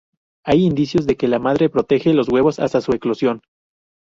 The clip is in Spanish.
Hay indicios de que la madre protege los huevos hasta su eclosión.